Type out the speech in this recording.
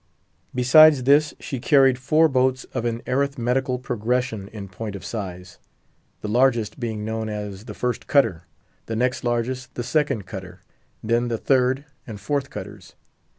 Besides this, she carried four boats of an arithmetical progression in point of size—the largest being known as the first cutter, the next largest the second cutter, then the third and fourth cutters.